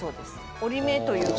折り目というか。